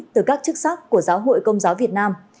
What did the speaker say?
từ các chức sắc của giáo hội công giáo việt nam